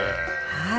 はい。